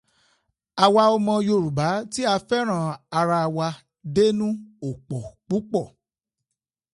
Àwa ọmọ Yorùbá tí a fẹ́ràn ara wa dénú ò pọ̀ púpọ̀.